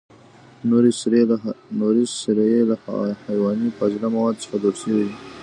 نورې سرې له حیواني فاضله موادو څخه جوړ شوي دي.